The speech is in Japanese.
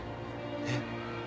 えっ？